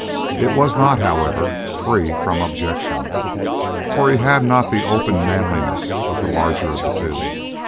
It was not, however, free from objection, for he had not the open manliness of the larger of the two.